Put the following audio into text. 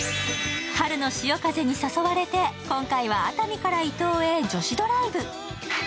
春の潮風に誘われて今回は熱海から伊東へ女子ドライブ。